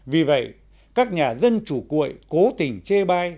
vì vậy các nhà dân chủ cuội cố tình chê bai